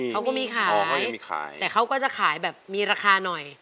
เขาก็มีขายมีขายแต่เขาก็จะขายแบบมีราคาหน่อย